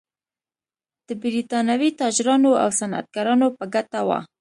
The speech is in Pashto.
د برېټانوي تاجرانو او صنعتکارانو په ګټه و.